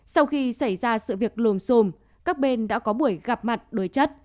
sau khi xảy ra sự việc lùm xùm các bên đã có buổi gặp mặt đối chất